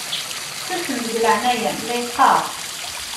Susem deg leɛnaya-m la yeqqaṛ!